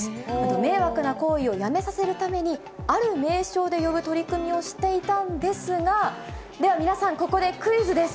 迷惑な行為をやめさせるために、ある名称で呼ぶ取り組みをしていたんですが、では皆さん、ここでクイズです。